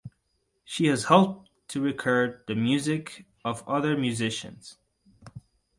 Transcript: She has helped to record the music of other musicians.